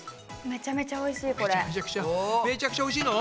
めちゃくちゃおいしいの？